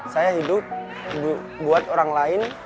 saya hidup buat orang lain